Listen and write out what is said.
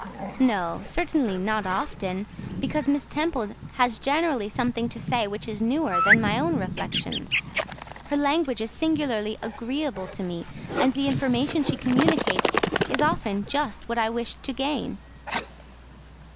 "No, certainly, not often; because Miss Temple has generally something to say which is newer than my own reflections; her language is singularly agreeable to me, and the information she communicates is often just what I wished to gain."